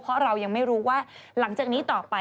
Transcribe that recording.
เพราะเรายังไม่รู้ว่าหลังจากนี้ต่อไป